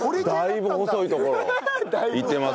だいぶ細いところをいってますけど。